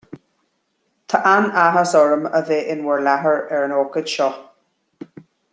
Tá an-áthas orm a bheith in bhur láthair ar an ócáid seo